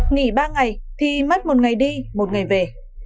nghỉ ba ngày thì mất một ngày đi một ngày về